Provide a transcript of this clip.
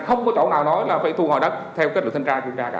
không có chỗ nào nói là phải thu hồi đất theo kết luận thanh tra kiểm tra cả